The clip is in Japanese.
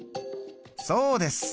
そうです！